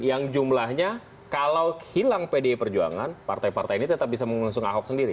yang jumlahnya kalau hilang pdi perjuangan partai partai ini tetap bisa mengusung ahok sendiri